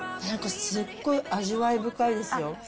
なんかすっごい味わい深いですよ。